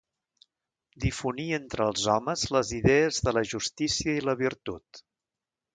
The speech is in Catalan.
Difonia entre els homes les idees de la justícia i la virtut.